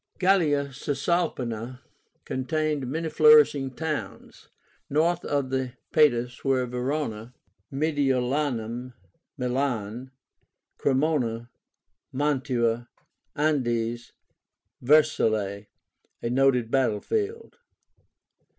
Gallia Cisalpína contained many flourishing towns. North of the Padus were Veróna, Mediolánum (Milan), Cremóna, Mantua, Andes, and Vercellae, a noted battle field.